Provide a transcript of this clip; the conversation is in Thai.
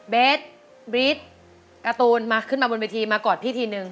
เบสบรี๊ดการ์ตูนมาขึ้นมาบนเวทีมากอดพี่ทีนึง